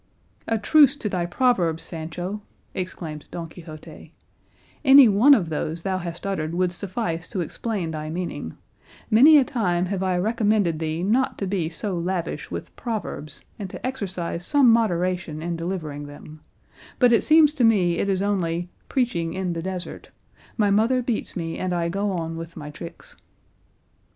'" "A truce to thy proverbs, Sancho," exclaimed Don Quixote; "any one of those thou hast uttered would suffice to explain thy meaning; many a time have I recommended thee not to be so lavish with proverbs and to exercise some moderation in delivering them; but it seems to me it is only 'preaching in the desert;' 'my mother beats me and I go on with my tricks."